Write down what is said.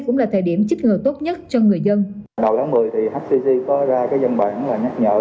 cũng là thời điểm chích ngờ tốt nhất cho người dân đầu tháng một mươi thì hcc có ra cái dân bản là nhắc nhở